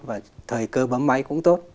và thời cơ bấm máy cũng tốt